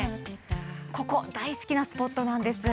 ここ大好きなスポットなんです。